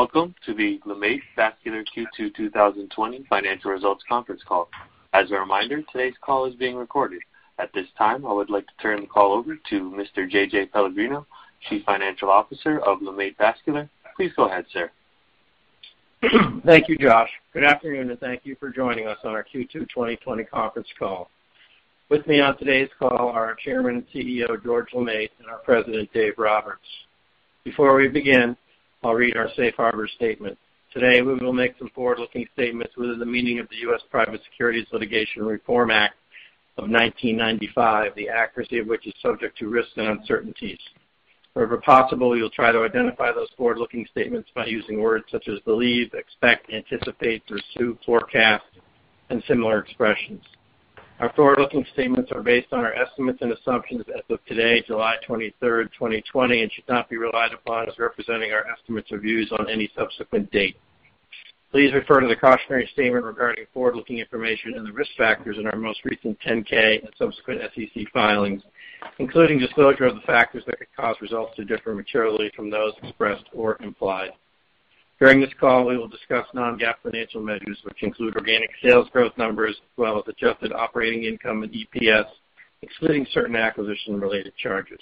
Welcome to the LeMaitre Vascular Q2 2020 financial results conference call. As a reminder, today's call is being recorded. At this time, I would like to turn the call over to Mr. JJ Pellegrino, Chief Financial Officer of LeMaitre Vascular. Please go ahead, sir. Thank you, Josh. Good afternoon, and thank you for joining us on our Q2 2020 conference call. With me on today's call are our Chairman and CEO, George LeMaitre, and our President, Dave Roberts. Before we begin, I'll read our safe harbor statement. Today, we will make some forward-looking statements within the meaning of the U.S. Private Securities Litigation Reform Act of 1995, the accuracy of which is subject to risks and uncertainties. Wherever possible, we'll try to identify those forward-looking statements by using words such as believe, expect, anticipate, pursue, forecast, and similar expressions. Our forward-looking statements are based on our estimates and assumptions as of today, July 23rd, 2020, and should not be relied upon as representing our estimates or views on any subsequent date. Please refer to the cautionary statement regarding forward-looking information and the risk factors in our most recent 10-K and subsequent SEC filings, including disclosure of the factors that could cause results to differ materially from those expressed or implied. During this call, we will discuss non-GAAP financial measures, which include organic sales growth numbers as well as adjusted operating income and EPS, excluding certain acquisition-related charges.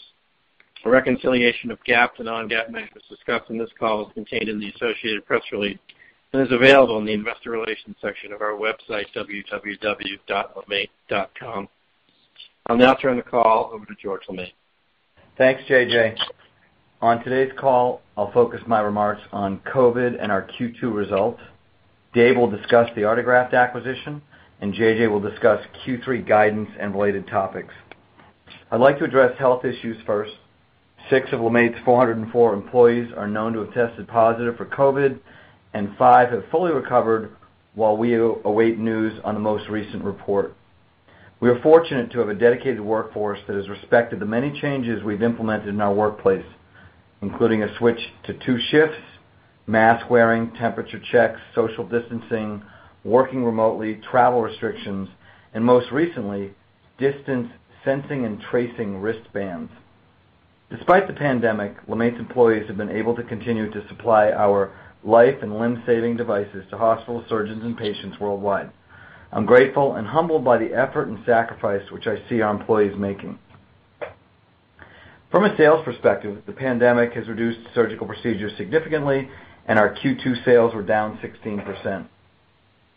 A reconciliation of GAAP to non-GAAP measures discussed in this call is contained in the associated press release and is available in the investor relations section of our website, www.lemaitre.com. I'll now turn the call over to George LeMaitre. Thanks, JJ. On today's call, I'll focus my remarks on COVID and our Q2 results. Dave will discuss the Artegraft acquisition, JJ will discuss Q3 guidance and related topics. I'd like to address health issues first. Six of LeMaitre's 404 employees are known to have tested positive for COVID, and five have fully recovered, while we await news on the most recent report. We are fortunate to have a dedicated workforce that has respected the many changes we've implemented in our workplace, including a switch to two shifts, mask-wearing, temperature checks, social distancing, working remotely, travel restrictions, and most recently, distance sensing and tracing wristbands. Despite the pandemic, LeMaitre's employees have been able to continue to supply our life and limb-saving devices to hospitals, surgeons, and patients worldwide. I'm grateful and humbled by the effort and sacrifice which I see our employees making. From a sales perspective, the pandemic has reduced surgical procedures significantly, and our Q2 sales were down 16%.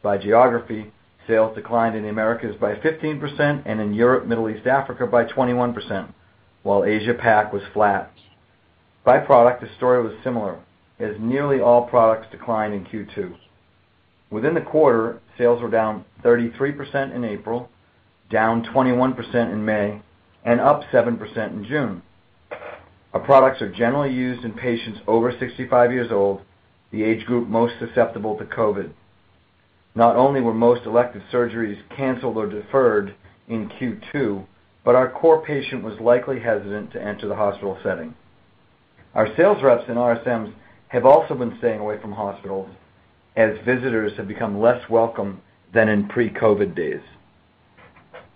By geography, sales declined in the Americas by 15% and in Europe, Middle East, Africa by 21%, while Asia Pac was flat. By product, the story was similar, as nearly all products declined in Q2. Within the quarter, sales were down 33% in April, down 21% in May, and up 7% in June. Our products are generally used in patients over 65 years old, the age group most susceptible to COVID. Not only were most elective surgeries canceled or deferred in Q2, but our core patient was likely hesitant to enter the hospital setting. Our sales reps and RSMs have also been staying away from hospitals as visitors have become less welcome than in pre-COVID days.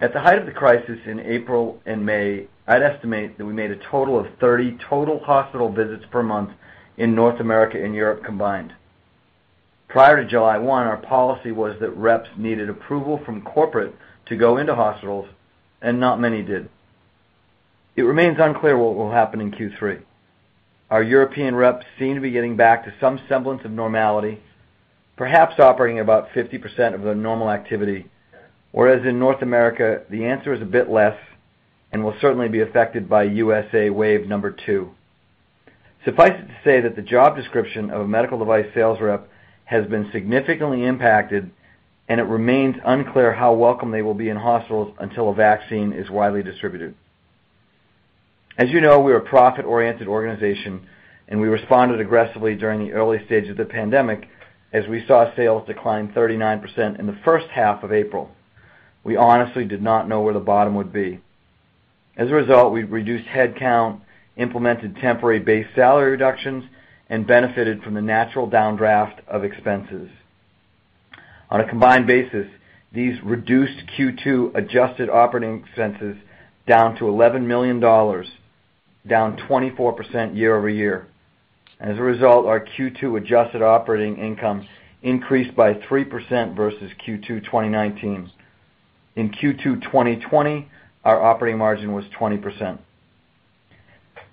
At the height of the crisis in April and May, I'd estimate that we made a total of 30 total hospital visits per month in North America and Europe combined. Prior to July 1, 2020, our policy was that reps needed approval from corporate to go into hospitals, and not many did. It remains unclear what will happen in Q3. Our European reps seem to be getting back to some semblance of normality, perhaps operating about 50% of their normal activity. Whereas in North America, the answer is a bit less and will certainly be affected by USA wave number two. Suffice it to say that the job description of a medical device sales rep has been significantly impacted, and it remains unclear how welcome they will be in hospitals until a vaccine is widely distributed. As you know, we're a profit-oriented organization. We responded aggressively during the early stage of the pandemic as we saw sales decline 39% in the first half of April. We honestly did not know where the bottom would be. As a result, we've reduced headcount, implemented temporary base salary reductions, and benefited from the natural downdraft of expenses. On a combined basis, these reduced Q2 adjusted operating expenses down to $11 million, down 24% year-over-year. As a result, our Q2 adjusted operating income increased by 3% versus Q2 2019. In Q2 2020, our operating margin was 20%.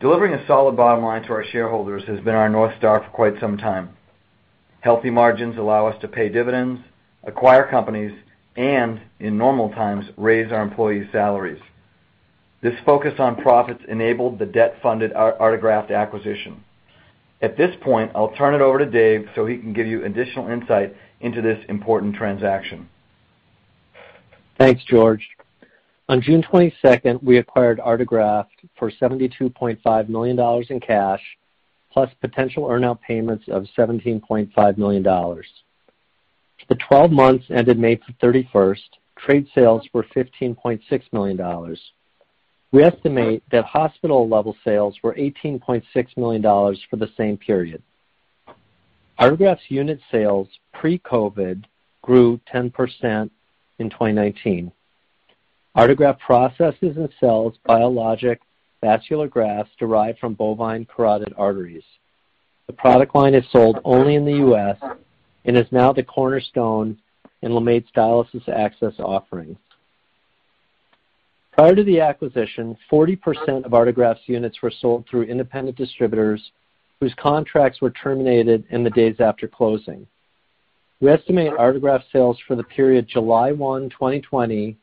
Delivering a solid bottom line to our shareholders has been our North Star for quite some time. Healthy margins allow us to pay dividends, acquire companies, and, in normal times, raise our employees' salaries. This focus on profits enabled the debt-funded Artegraft acquisition. At this point, I'll turn it over to Dave so he can give you additional insight into this important transaction. Thanks, George. On June 22nd, 2020, we acquired Artegraft for $72.5 million in cash, plus potential earn-out payments of $17.5 million. For the 12 months ended May 31st, 2020, trade sales were $15.6 million. We estimate that hospital-level sales were $18.6 million for the same period. Artegraft's unit sales pre-COVID grew 10% in 2019. Artegraft processes and sells biologic vascular grafts derived from bovine carotid arteries. The product line is sold only in the U.S. and is now the cornerstone in LeMaitre's dialysis access offering. Prior to the acquisition, 40% of Artegraft's units were sold through independent distributors whose contracts were terminated in the days after closing. We estimate Artegraft sales for the period July 1, 2020,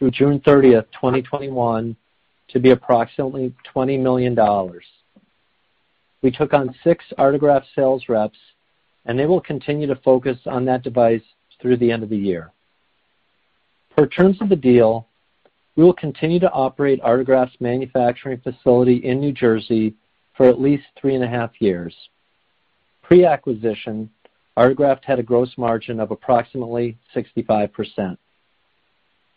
through June 30, 2021, to be approximately $20 million. We took on six Artegraft sales reps, and they will continue to focus on that device through the end of the year. Per terms of the deal, we will continue to operate Artegraft's manufacturing facility in New Jersey for at least three and a half years. Pre-acquisition, Artegraft had a gross margin of approximately 65%.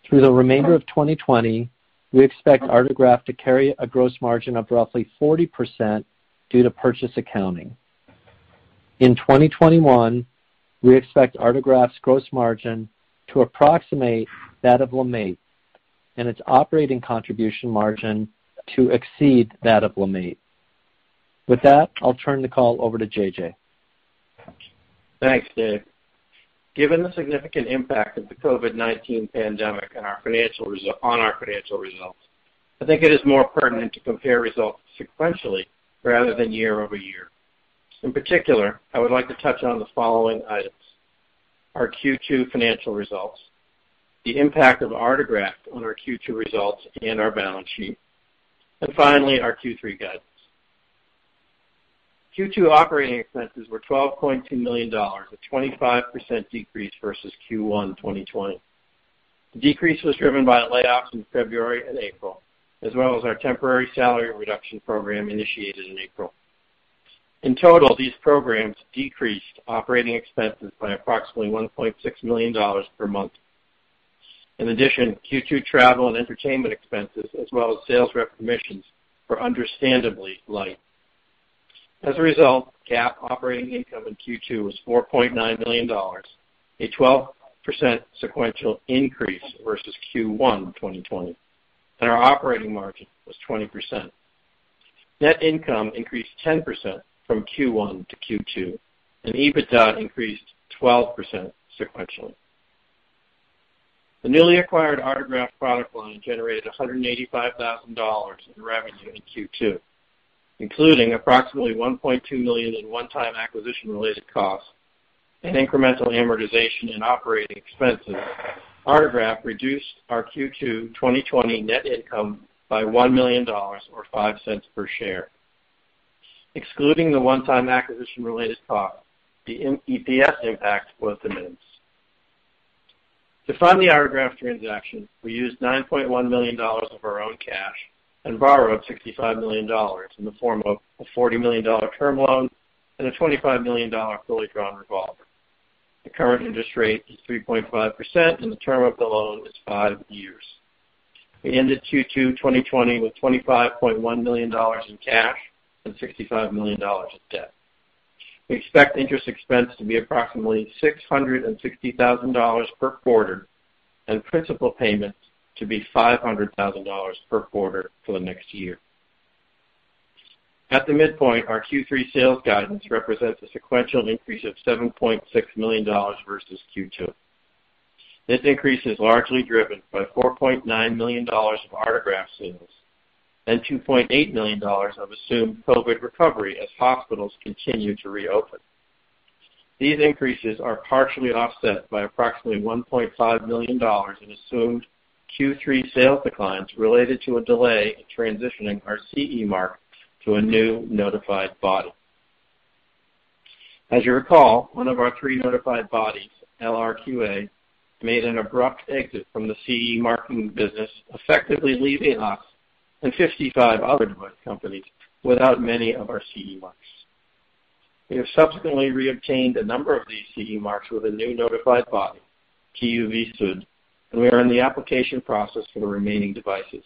Through the remainder of 2020, we expect Artegraft to carry a gross margin of roughly 40% due to purchase accounting. In 2021, we expect Artegraft's gross margin to approximate that of LeMaitre, and its operating contribution margin to exceed that of LeMaitre. With that, I'll turn the call over to JJ. Thanks, Dave. Given the significant impact of the COVID-19 pandemic on our financial results, I think it is more pertinent to compare results sequentially rather than year-over-year. In particular, I would like to touch on the following items: our Q2 financial results, the impact of Artegraft on our Q2 results and our balance sheet, and finally, our Q3 guidance. Q2 operating expenses were $12.2 million, a 25% decrease versus Q1 2020. The decrease was driven by layoffs in February and April, as well as our temporary salary reduction program initiated in April. In total, these programs decreased operating expenses by approximately $1.6 million per month. In addition, Q2 travel and entertainment expenses as well as sales rep commissions were understandably light. As a result, GAAP operating income in Q2 was $4.9 million, a 12% sequential increase versus Q1 2020, and our operating margin was 20%. Net income increased 10% from Q1 to Q2, and EBITDA increased 12% sequentially. The newly acquired Artegraft product line generated $185,000 in revenue in Q2. Including approximately $1.2 million in one-time acquisition related costs and incremental amortization and operating expenses, Artegraft reduced our Q2 2020 net income by $1 million or $0.05 per share. Excluding the one-time acquisition related cost, the EPS impact was de minimis. To fund the Artegraft transaction, we used $9.1 million of our own cash and borrowed $65 million in the form of a $40 million term loan and a $25 million fully drawn revolver. The current interest rate is 3.5%, and the term of the loan is five years. We ended Q2 2020 with $25.1 million in cash and $65 million of debt. We expect interest expense to be approximately $660,000 per quarter and principal payments to be $500,000 per quarter for the next year. At the midpoint, our Q3 sales guidance represents a sequential increase of $7.6 million versus Q2. This increase is largely driven by $4.9 million of Artegraft sales and $2.8 million of assumed COVID recovery as hospitals continue to reopen. These increases are partially offset by approximately $1.5 million in assumed Q3 sales declines related to a delay in transitioning our CE mark to a new notified body. As you recall, one of our three notified bodies, LRQA, made an abrupt exit from the CE marking business, effectively leaving us and 55 other device companies without many of our CE marks. We have subsequently reobtained a number of these CE marks with a new notified body, TÜV SÜD, and we are in the application process for the remaining devices.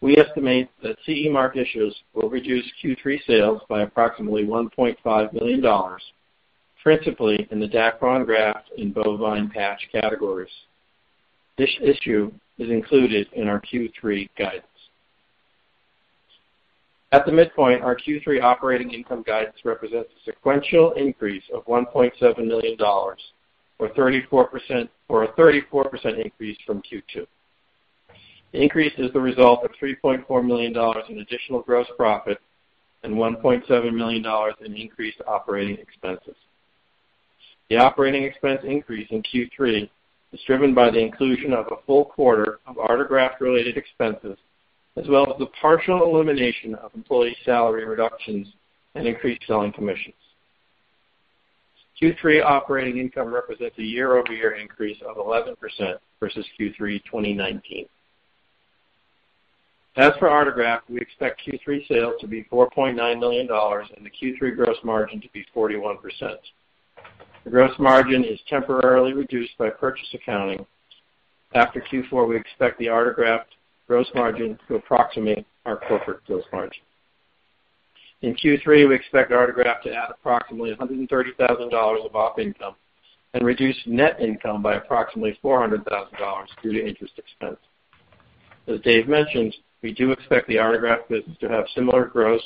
We estimate that CE mark issues will reduce Q3 sales by approximately $1.5 million, principally in the Dacron graft and bovine patch categories. This issue is included in our Q3 guidance. At the midpoint, our Q3 operating income guidance represents a sequential increase of $1.7 million or a 34% increase from Q2. The increase is the result of $3.4 million in additional gross profit and $1.7 million in increased operating expenses. The operating expense increase in Q3 is driven by the inclusion of a full quarter of Artegraft related expenses, as well as the partial elimination of employee salary reductions and increased selling commissions. Q3 operating income represents a year-over-year increase of 11% versus Q3 2019. As for Artegraft, we expect Q3 sales to be $4.9 million and the Q3 gross margin to be 41%. The gross margin is temporarily reduced by purchase accounting. After Q4, we expect the Artegraft gross margin to approximate our corporate gross margin. In Q3, we expect Artegraft to add approximately $130,000 of OP income and reduce net income by approximately $400,000 due to interest expense. As Dave mentioned, we do expect the Artegraft business to have similar gross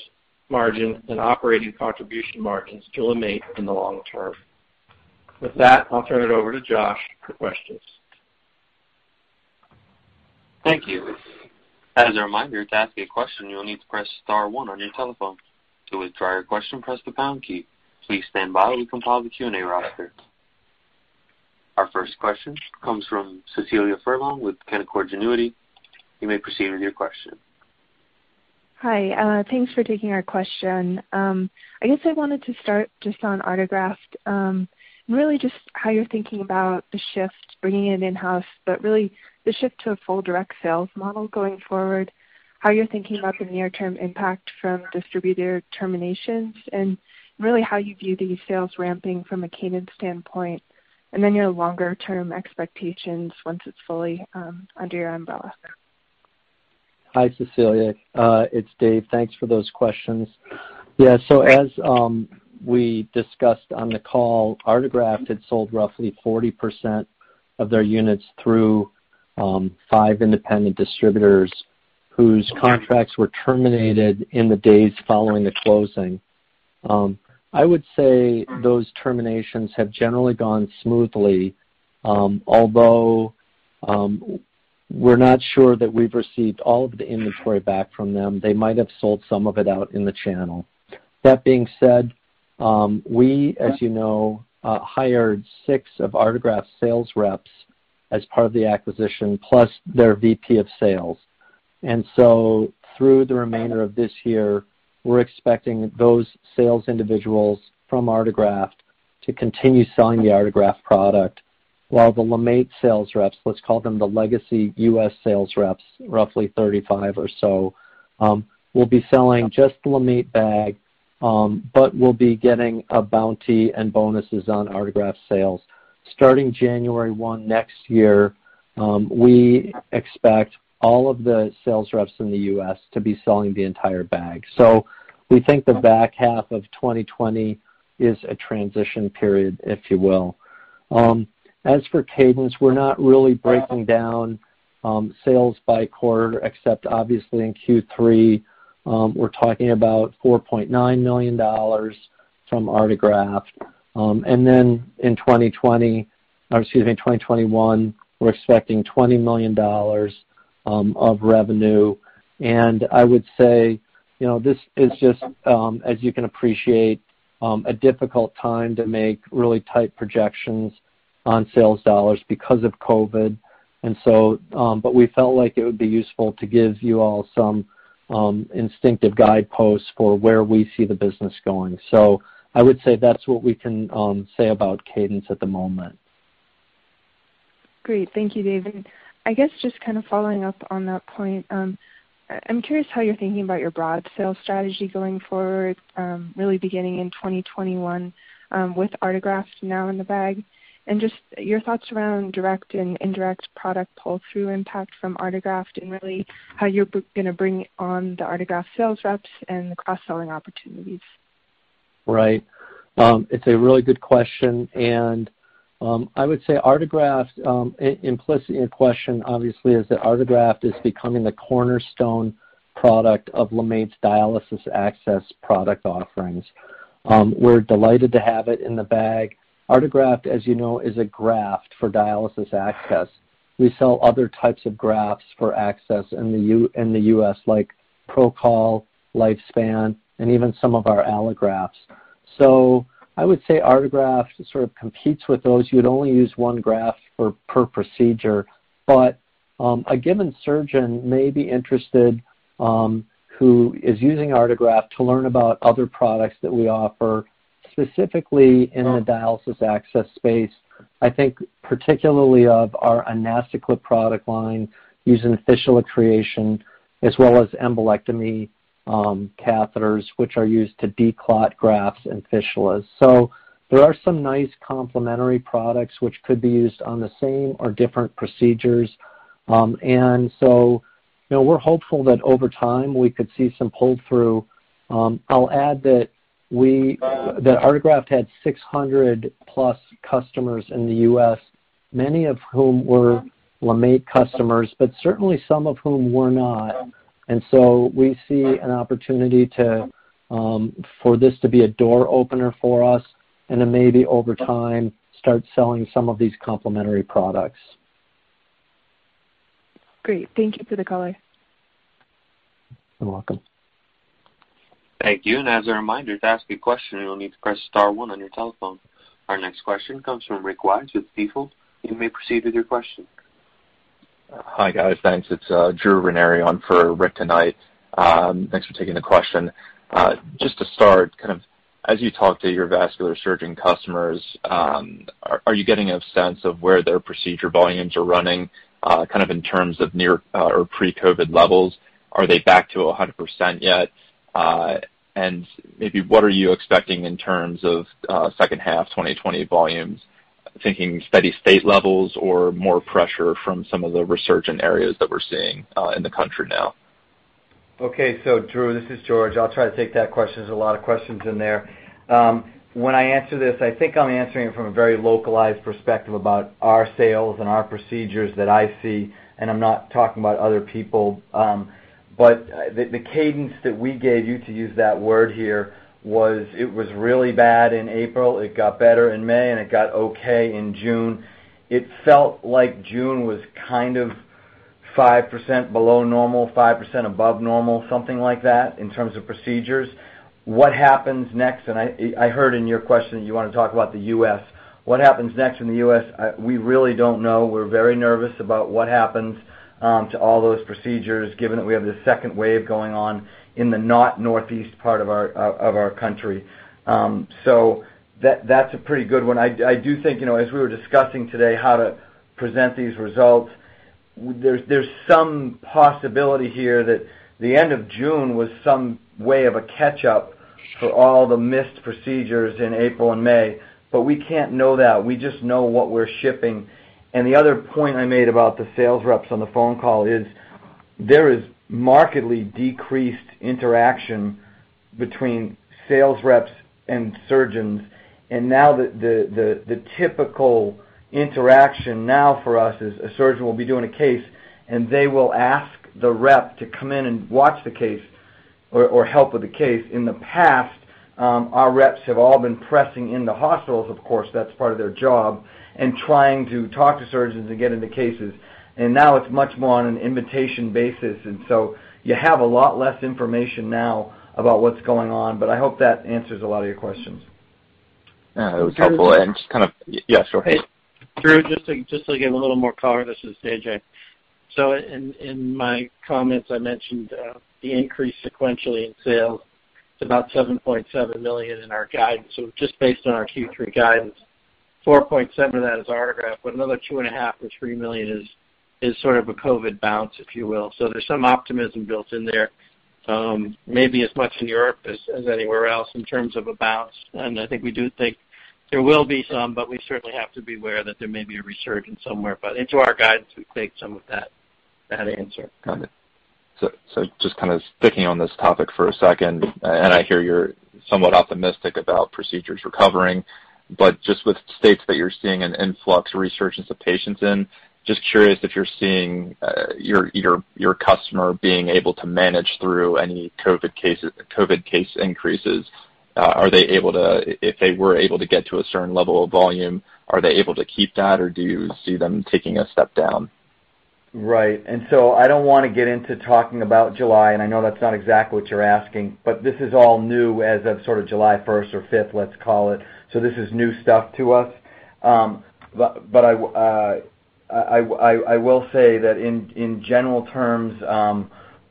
margin and operating contribution margins to LeMaitre in the long term. With that, I'll turn it over to Josh for questions. Thank you. As a reminder, to ask a question, you will need to press star one on your telephone. To withdraw your question, press the pound key. Please stand by while we compile the Q&A roster. Our first question comes from Cecilia Furlong with Canaccord Genuity. You may proceed with your question. Hi. Thanks for taking our question. I guess I wanted to start just on Artegraft, really just how you're thinking about the shift, bringing it in-house, but really the shift to a full direct sales model going forward, how you're thinking about the near-term impact from distributor terminations, and really how you view the sales ramping from a cadence standpoint, and then your longer-term expectations once it's fully under your umbrella. Hi, Cecilia. It's Dave. Thanks for those questions. As we discussed on the call, Artegraft had sold roughly 40% of their units through five independent distributors whose contracts were terminated in the days following the closing. I would say those terminations have generally gone smoothly, although, we're not sure that we've received all of the inventory back from them. They might have sold some of it out in the channel. That being said, we, as you know, hired six of Artegraft's sales reps as part of the acquisition, plus their VP of sales. Through the remainder of this year, we're expecting those sales individuals from Artegraft to continue selling the Artegraft product while the LeMaitre sales reps, let's call them the legacy U.S. sales reps, roughly 35 or so, will be selling just the LeMaitre bag, but will be getting a bounty and bonuses on Artegraft sales. Starting January 1 next year, we expect all of the sales reps in the U.S. to be selling the entire bag. We think the back half of 2020 is a transition period, if you will. As for cadence, we're not really breaking down sales by quarter except obviously in Q3, we're talking about $4.9 million from Artegraft. In 2020, or excuse me, 2021, we're expecting $20 million of revenue. I would say this is just, as you can appreciate, a difficult time to make really tight projections on sales dollars because of COVID. We felt like it would be useful to give you all some instinctive guideposts for where we see the business going. I would say that's what we can say about cadence at the moment. Great. Thank you, Dave. I guess just kind of following up on that point, I'm curious how you're thinking about your broad sales strategy going forward, really beginning in 2021, with Artegraft now in the bag, and just your thoughts around direct and indirect product pull-through impact from Artegraft and really how you're going to bring on the Artegraft sales reps and the cross-selling opportunities. Right. It's a really good question. I would say Artegraft, implicit in your question, obviously, is that Artegraft is becoming the cornerstone product of LeMaitre's dialysis access product offerings. We're delighted to have it in the bag. Artegraft, as you know, is a graft for dialysis access. We sell other types of grafts for access in the U.S., like ProCol, LifeSpan, and even some of our allografts. I would say Artegraft sort of competes with those. You'd only use one graft per procedure. A given surgeon may be interested, who is using Artegraft, to learn about other products that we offer, specifically in the dialysis access space. I think particularly of our AnastoClip product line used in fistula creation, as well as embolectomy catheters, which are used to declot grafts and fistulas. There are some nice complementary products which could be used on the same or different procedures. We're hopeful that over time we could see some pull-through. I'll add that Artegraft had 600+ customers in the U.S., many of whom were LeMaitre customers, but certainly some of whom were not. We see an opportunity for this to be a door opener for us and then maybe over time, start selling some of these complementary products. Great. Thank you for the color. You're welcome. Thank you. As a reminder, to ask a question, you will need to press star one on your telephone. Our next question comes from Rick Wise with Stifel. You may proceed with your question. Hi, guys. Thanks. It's Drew Ranieri on for Rick tonight. Thanks for taking the question. Just to start, as you talk to your vascular surgeon customers, are you getting a sense of where their procedure volumes are running, in terms of near or pre-COVID levels? Are they back to 100% yet? Maybe what are you expecting in terms of second half 2020 volumes? Are you thinking steady state levels or more pressure from some of the resurgent areas that we're seeing in the country now? Okay. Drew, this is George. I'll try to take that question. There's a lot of questions in there. When I answer this, I think I'm answering it from a very localized perspective about our sales and our procedures that I see, and I'm not talking about other people. The cadence that we gave you, to use that word here, was it was really bad in April, it got better in May, and it got okay in June. It felt like June was 5% below normal, 5% above normal, something like that, in terms of procedures. What happens next? I heard in your question that you want to talk about the U.S. What happens next in the U.S.? We really don't know. We're very nervous about what happens to all those procedures, given that we have this second wave going on in the not northeast part of our country. That's a pretty good one. I do think, as we were discussing today, how to present these results. There's some possibility here that the end of June was some way of a catch-up for all the missed procedures in April and May, but we can't know that. We just know what we're shipping. The other point I made about the sales reps on the phone call is there is markedly decreased interaction between sales reps and surgeons. Now the typical interaction now for us is a surgeon will be doing a case, and they will ask the rep to come in and watch the case or help with the case. In the past, our reps have all been pressing into hospitals, of course, that's part of their job, and trying to talk to surgeons and get into cases. Now it's much more on an invitation basis. So you have a lot less information now about what's going on, but I hope that answers a lot of your questions. Yeah, that was helpful. Just kind of Yeah, sure. Drew, just to give a little more color. This is JJ. In my comments, I mentioned the increase sequentially in sales to about $7.7 million in our guidance. Just based on our Q3 guidance, $4.7 million of that is Artegraft, but another $2.5 million or $3 million is sort of a COVID bounce, if you will. There's some optimism built in there. Maybe as much in Europe as anywhere else in terms of a bounce. I think we do think there will be some, but we certainly have to be aware that there may be a resurgence somewhere. Into our guidance, we've baked some of that answer. Got it. Just kind of sticking on this topic for a second, and I hear you're somewhat optimistic about procedures recovering, but just with states that you're seeing an influx, a resurgence of patients in, just curious if you're seeing your customer being able to manage through any COVID case increases. If they were able to get to a certain level of volume, are they able to keep that, or do you see them taking a step down? Right. I don't want to get into talking about July, and I know that's not exactly what you're asking, but this is all new as of July 1st, 2021 or July 5th, 2021, let's call it. This is new stuff to us. I will say that in general terms,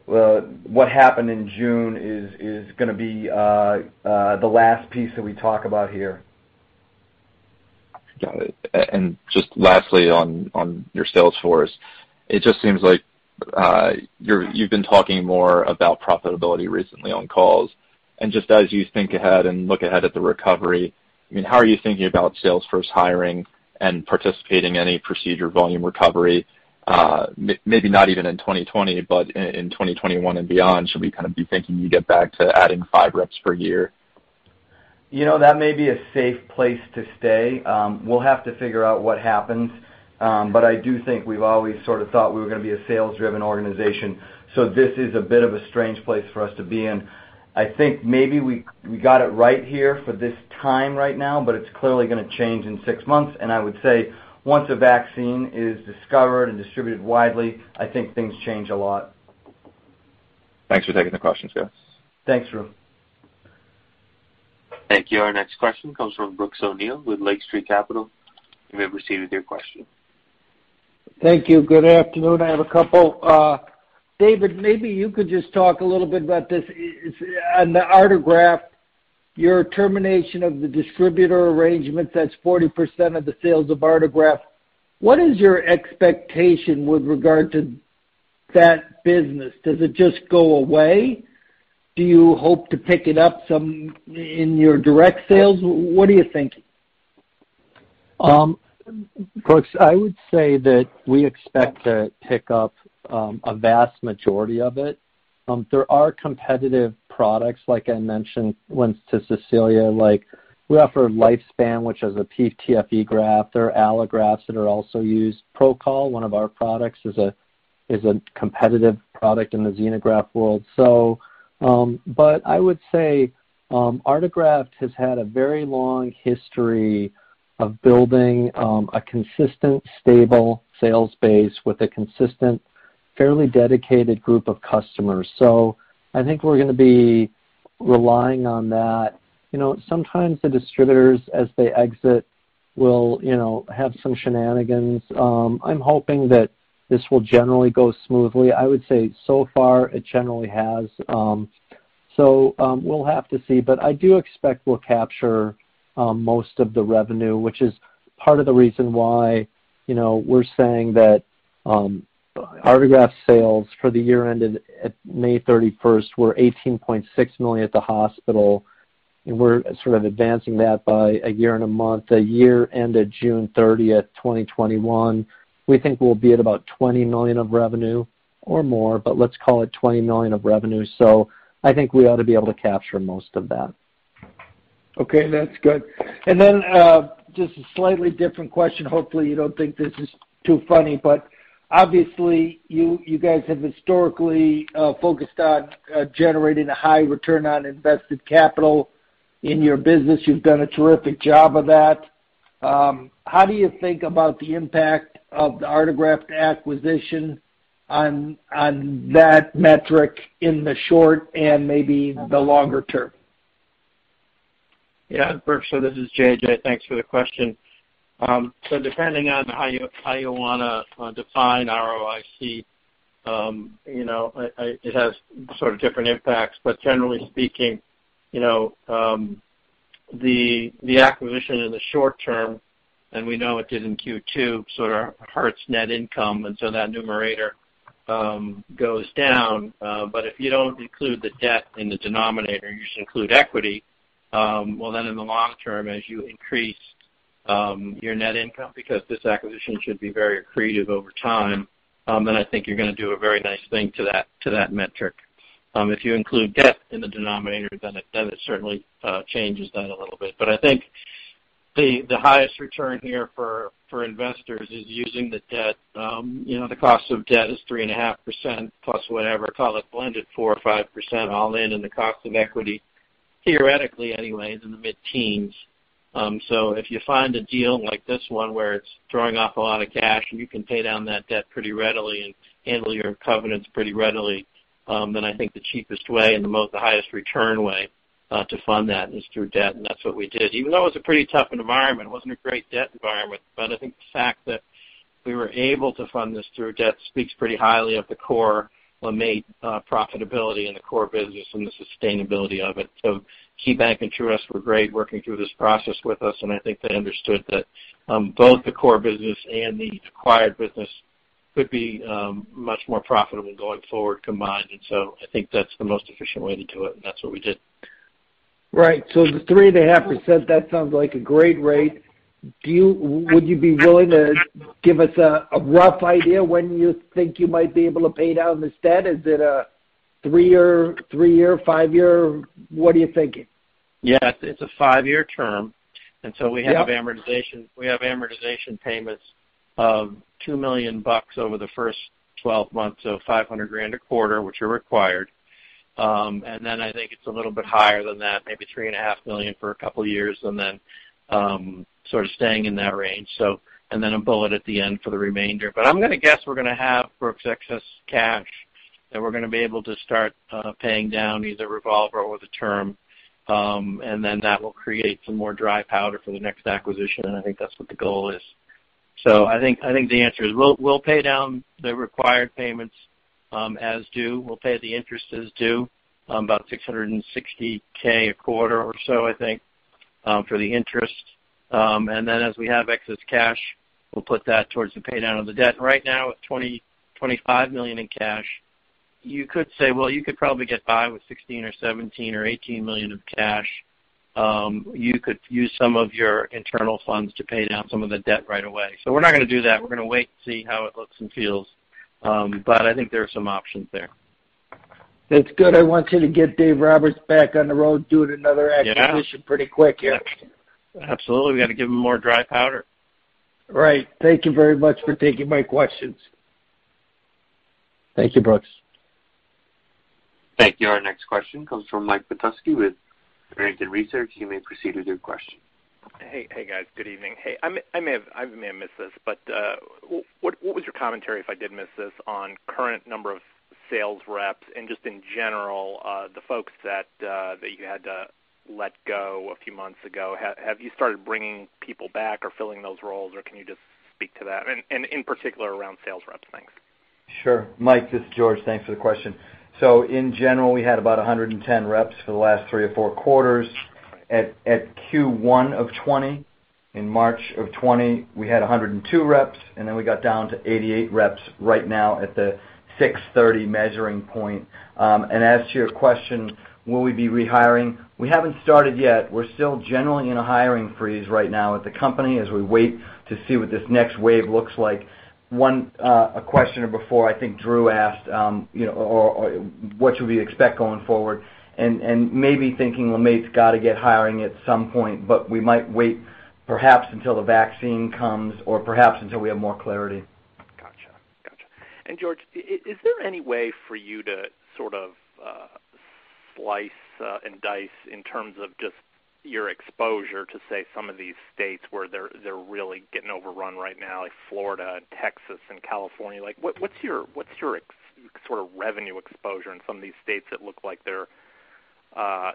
what happened in June is going to be the last piece that we talk about here. Got it. Just lastly on your sales force, it just seems like you've been talking more about profitability recently on calls. Just as you think ahead and look ahead at the recovery, how are you thinking about sales force hiring and participating in any procedure volume recovery? Maybe not even in 2020, but in 2021 and beyond. Should we be thinking you get back to adding five reps per year? That may be a safe place to stay. We'll have to figure out what happens. I do think we've always sort of thought we were going to be a sales-driven organization. This is a bit of a strange place for us to be in. I think maybe we got it right here for this time right now, but it's clearly going to change in six months. I would say once a vaccine is discovered and distributed widely, I think things change a lot. Thanks for taking the questions, guys. Thanks, Drew. Thank you. Our next question comes from Brooks O'Neil with Lake Street Capital. You may proceed with your question. Thank you. Good afternoon. I have a couple. David, maybe you could just talk a little bit about this. On the Artegraft, your termination of the distributor arrangements, that's 40% of the sales of Artegraft. What is your expectation with regard to that business? Does it just go away? Do you hope to pick it up some in your direct sales? What are you thinking? Brooks, I would say that we expect to pick up a vast majority of it. There are competitive products, like I mentioned once to Cecilia. We offer LifeSpan, which is a PTFE graft. There are allografts that are also used. ProCol, one of our products, is a competitive product in the xenograft world. I would say Artegraft has had a very long history of building a consistent, stable sales base with a consistent, fairly dedicated group of customers. I think we're going to be relying on that. Sometimes the distributors, as they exit, will have some shenanigans. I'm hoping that this will generally go smoothly. I would say so far it generally has. We'll have to see, but I do expect we'll capture most of the revenue, which is part of the reason why we're saying that. Artegraft sales for the year ended at May 31st, 2020, were $18.6 million at the hospital, and we're sort of advancing that by a year and a month. The year ended June 30th, 2021, we think we'll be at about $20 million of revenue or more, but let's call it $20 million of revenue. I think we ought to be able to capture most of that. Okay, that's good. Just a slightly different question. Hopefully you don't think this is too funny, obviously you guys have historically focused on generating a high return on invested capital in your business. You've done a terrific job of that. How do you think about the impact of the Artegraft acquisition on that metric in the short and maybe the longer term? Brooks, this is JJ. Thanks for the question. Depending on how you want to define ROIC, it has sort of different impacts. Generally speaking, the acquisition in the short term, and we know it did in Q2, sort of hurts net income, that numerator goes down. If you don't include the debt in the denominator, you just include equity, then in the long term, as you increase your net income, because this acquisition should be very accretive over time, I think you're going to do a very nice thing to that metric. If you include debt in the denominator, then it certainly changes that a little bit. I think the highest return here for investors is using the debt. The cost of debt is 3.5% plus whatever, call it blended 4% or 5% all in, and the cost of equity, theoretically anyway, is in the mid-teens. If you find a deal like this one where it's throwing off a lot of cash and you can pay down that debt pretty readily and handle your covenants pretty readily, then I think the cheapest way and the highest return way to fund that is through debt, and that's what we did. Even though it was a pretty tough environment, it wasn't a great debt environment, but I think the fact that we were able to fund this through debt speaks pretty highly of the core LeMaitre profitability and the core business and the sustainability of it. KeyBanc and Truist were great working through this process with us, and I think they understood that both the core business and the acquired business could be much more profitable going forward combined. I think that's the most efficient way to do it, and that's what we did. Right. The 3.5%, that sounds like a great rate. Would you be willing to give us a rough idea when you think you might be able to pay down this debt? Is it a three-year, five-year? What are you thinking? Yeah, it's a five-year term. We have amortization payments of $2 million over the first 12 months, so $500,000 a quarter, which are required. I think it's a little bit higher than that, maybe $3.5 million for a couple of years, and then sort of staying in that range. A bullet at the end for the remainder. I'm going to guess we're going to have, Brooks, excess cash that we're going to be able to start paying down either revolver or the term, and then that will create some more dry powder for the next acquisition, and I think that's what the goal is. I think the answer is we'll pay down the required payments as due. We'll pay the interest as due, about $660,000 a quarter or so, I think, for the interest. As we have excess cash, we'll put that towards the pay down of the debt. Right now, with $25 million in cash, you could say, well, you could probably get by with $16 million or $17 million or $18 million of cash. You could use some of your internal funds to pay down some of the debt right away. We're not going to do that. We're going to wait and see how it looks and feels. I think there are some options there. That's good. I want you to get Dave Roberts back on the road doing another acquisition pretty quick here. Absolutely. We got to give him more dry powder. Right. Thank you very much for taking my questions. Thank you, Brooks. Thank you. Our next question comes from Mike Petusky with Barrington Research. You may proceed with your question. Hey, guys. Good evening. Hey, I may have missed this, but what was your commentary, if I did miss this, on current number of sales reps and just in general, the folks that you had to let go a few months ago? Have you started bringing people back or filling those roles, or can you just speak to that, in particular, around sales reps? Thanks. Sure. Mike, this is George. Thanks for the question. In general, we had about 110 reps for the last three or four quarters. At Q1 of 2020, in March of 2020, we had 102 reps, then we got down to 88 reps right now at the 6/30 measuring point. As to your question, will we be rehiring? We haven't started yet. We're still generally in a hiring freeze right now at the company as we wait to see what this next wave looks like. One questioner before, I think Drew asked, what should we expect going forward? Maybe thinking LeMaitre's got to get hiring at some point, we might wait perhaps until the vaccine comes or perhaps until we have more clarity. Got you. George, is there any way for you to sort of slice and dice in terms of just your exposure to, say, some of these states where they're really getting overrun right now, like Florida and Texas and California? What's your sort of revenue exposure in some of these states that look like they're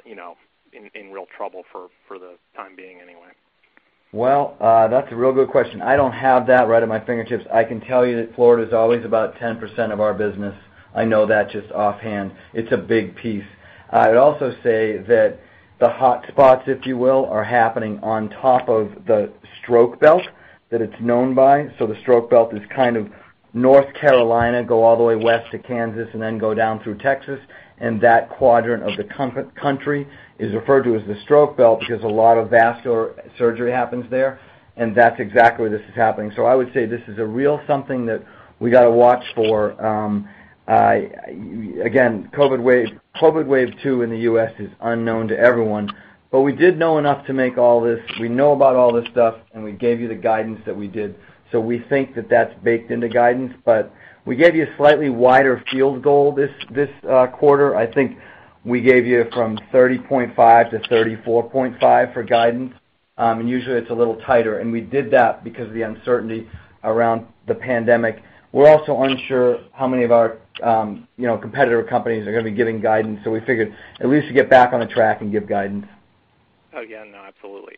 in real trouble for the time being, anyway? Well, that's a real good question. I don't have that right at my fingertips. I can tell you that Florida's always about 10% of our business. I know that just offhand. It's a big piece. I'd also say that the hot spots, if you will, are happening on top of the Stroke Belt that it's known by. The Stroke Belt is kind of North Carolina, go all the way west to Kansas, and then go down through Texas. That quadrant of the country is referred to as the Stroke Belt because a lot of vascular surgery happens there, and that's exactly where this is happening. I would say this is a real something that we got to watch for. Again, COVID wave two in the U.S. is unknown to everyone, but we did know enough to make all this. We know about all this stuff, we gave you the guidance that we did. We think that that's baked into guidance. We gave you a slightly wider field goal this quarter. I think we gave you from 30.5%-34.5% for guidance. Usually, it's a little tighter. We did that because of the uncertainty around the pandemic. We're also unsure how many of our competitor companies are going to be giving guidance. We figured at least to get back on the track and give guidance. Oh, yeah, no, absolutely.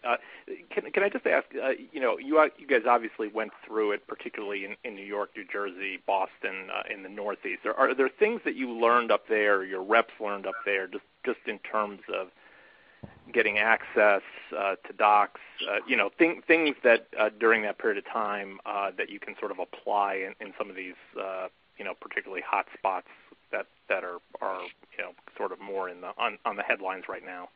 Can I just ask, you guys obviously went through it, particularly in New York, New Jersey, Boston, in the Northeast, are there things that you learned up there, your reps learned up there, just in terms of getting access to docs, things that during that period of time that you can sort of apply in some of these particularly hot spots that are sort of more on the headlines right now?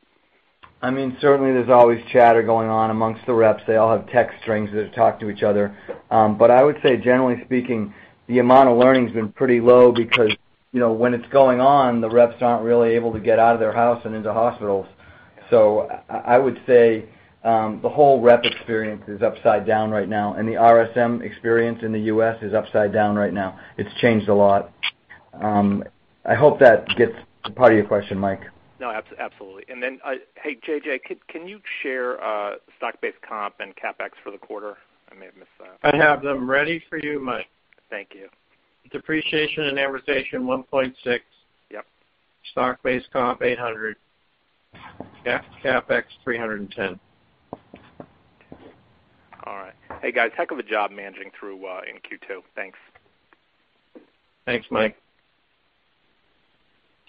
Certainly there's always chatter going on amongst the reps. They all have text strings. They just talk to each other. I would say, generally speaking, the amount of learning's been pretty low because when it's going on, the reps aren't really able to get out of their house and into hospitals. I would say the whole rep experience is upside down right now, and the RSM experience in the U.S. is upside down right now. It's changed a lot. I hope that gets to part of your question, Mike. No, absolutely. Hey, JJ, can you share stock-based comp and CapEx for the quarter? I may have missed that. I have them ready for you, Mike. Thank you. Depreciation and amortization, $1.6 million. Yep. Stock-based comp, $800,000. Okay. CapEx, $310,000. All right. Hey, guys, heck of a job managing through in Q2. Thanks. Thanks, Mike.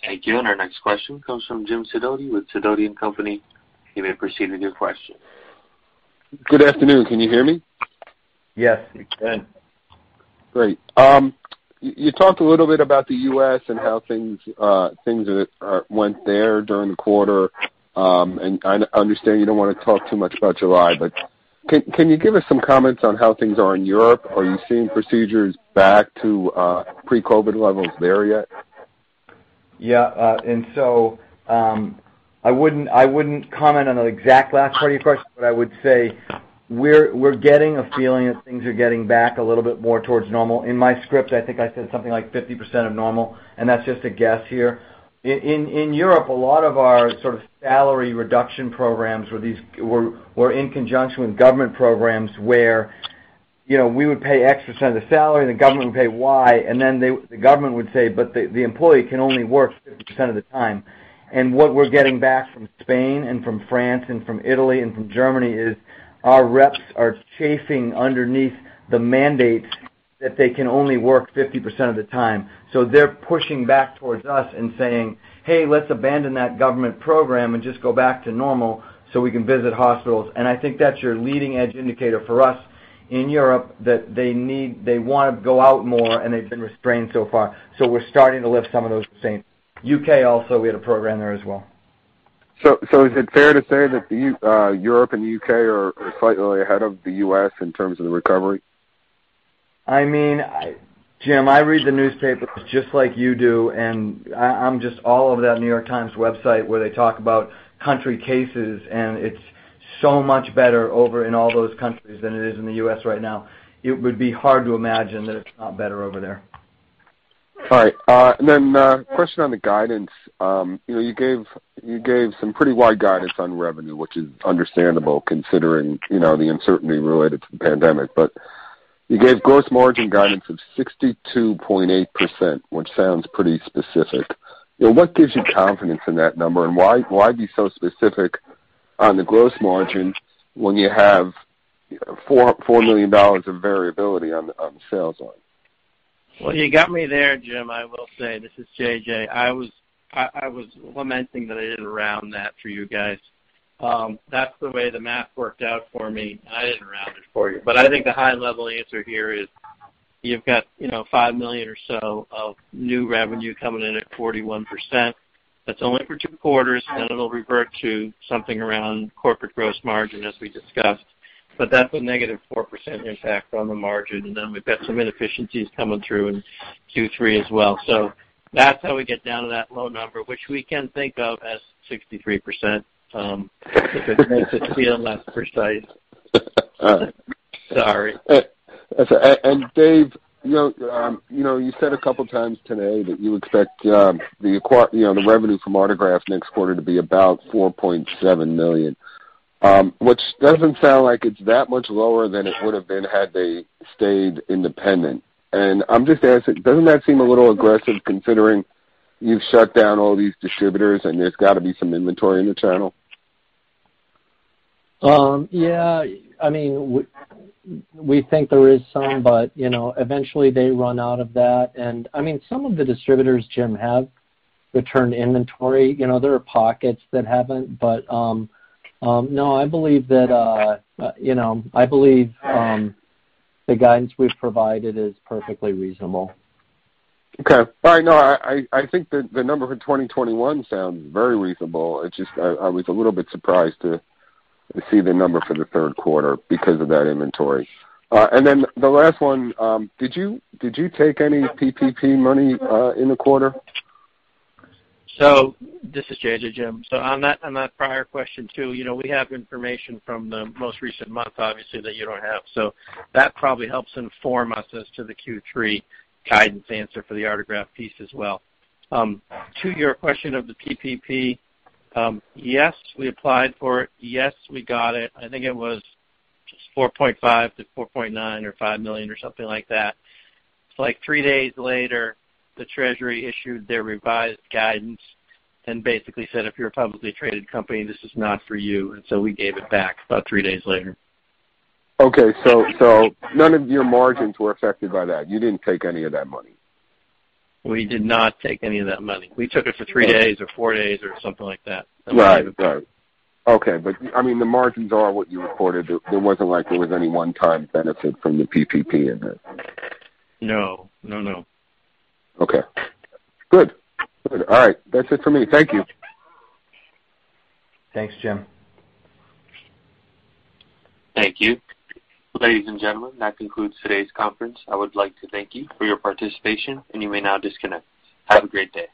Thank you. Our next question comes from Jim Sidoti with Sidoti & Company. You may proceed with your question. Good afternoon. Can you hear me? Yes, we can. Great. You talked a little bit about the U.S. and how things went there during the quarter. I understand you don't want to talk too much about July, but can you give us some comments on how things are in Europe? Are you seeing procedures back to pre-COVID levels there yet? I wouldn't comment on the exact last part of your question, but I would say we're getting a feeling that things are getting back a little bit more towards normal. In my script, I think I said something like 50% of normal, and that's just a guess here. In Europe, a lot of our sort of salary reduction programs were in conjunction with government programs where we would pay X% of the salary, and the government would pay Y, and then the government would say, "The employee can only work 50% of the time." What we're getting back from Spain and from France and from Italy and from Germany is our reps are chafing underneath the mandates that they can only work 50% of the time. They're pushing back towards us and saying, "Hey, let's abandon that government program and just go back to normal so we can visit hospitals." I think that's your leading edge indicator for us in Europe that they want to go out more, and they've been restrained so far. We're starting to lift some of those restraints. U.K. also, we had a program there as well. Is it fair to say that Europe and the U.K. are slightly ahead of the U.S. in terms of the recovery? Jim, I read the newspapers just like you do, and I'm just all over that New York Times website where they talk about country cases, and it's so much better over in all those countries than it is in the U.S. right now. It would be hard to imagine that it's not better over there. All right. A question on the guidance. You gave some pretty wide guidance on revenue, which is understandable considering the uncertainty related to the pandemic. You gave gross margin guidance of 62.8%, which sounds pretty specific. What gives you confidence in that number, and why be so specific on the gross margin when you have $4 million of variability on the sales line? Well, you got me there, Jim, I will say. This is JJ. I was lamenting that I didn't round that for you guys. That's the way the math worked out for me, and I didn't round it for you. I think the high-level answer here is you've got $5 million or so of new revenue coming in at 41%. That's only for two quarters, then it'll revert to something around corporate gross margin, as we discussed. That's a negative 4% impact on the margin. Then we've got some inefficiencies coming through in Q3 as well. That's how we get down to that low number, which we can think of as 63% if it makes it feel less precise. Sorry. Dave, you said a couple times today that you expect the revenue from Artegraft next quarter to be about $4.7 million, which doesn't sound like it's that much lower than it would've been had they stayed independent. I'm just asking, doesn't that seem a little aggressive considering you've shut down all these distributors and there's got to be some inventory in the channel? Yeah. We think there is some, but eventually they run out of that. Some of the distributors, Jim, have returned inventory. There are pockets that haven't. No, I believe the guidance we've provided is perfectly reasonable. Okay. No, I think the number for 2021 sounds very reasonable. It's just, I was a little bit surprised to see the number for the third quarter because of that inventory. The last one, did you take any PPP money in the quarter? This is JJ, Jim. On that prior question, too, we have information from the most recent month, obviously, that you don't have. That probably helps inform us as to the Q3 guidance answer for the Artegraft piece as well. To your question of the PPP, yes, we applied for it. Yes, we got it. I think it was just $4.5 million-$4.9 million or $5 million or something like that. It's like three days later, the Treasury issued their revised guidance and basically said, "If you're a publicly traded company, this is not for you." We gave it back about three days later. Okay. None of your margins were affected by that. You didn't take any of that money. We did not take any of that money. We took it for three days or four days or something like that. Right. Okay. The margins are what you reported. There wasn't like there was any one-time benefit from the PPP in it. No. Okay. Good. All right. That's it for me. Thank you. Thanks, Jim. Thank you. Ladies and gentlemen, that concludes today's conference. I would like to thank you for your participation, and you may now disconnect. Have a great day.